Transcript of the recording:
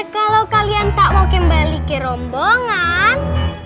kalau kalian tak mau kembali ke rombongan